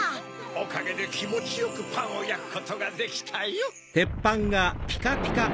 おかげできもちよくパンをやくことができたよ。